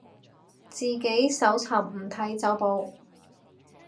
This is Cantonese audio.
自己搜尋，唔睇走寶